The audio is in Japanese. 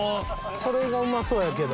それがうまそうやけど。